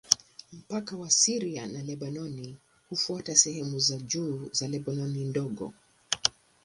Mpaka wa Syria na Lebanoni hufuata sehemu za juu za Lebanoni Ndogo.